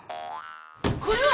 これは！